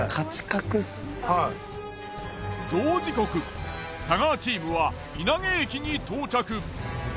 同時刻太川チームは稲毛駅に到着。